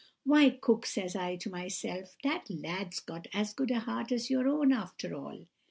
'Why, Cook,' says I to myself, 'that lad's got as good a heart as your own, after all.